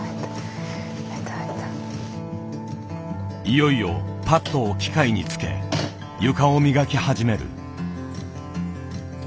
いよいよパットを機械につけ床を磨き始める。